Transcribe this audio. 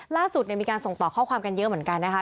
ล่าสุดมีการส่งต่อข้อความกันเยอะเหมือนกันนะคะ